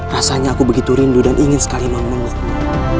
rasanya aku begitu rindu dan ingin sekali mau menikmati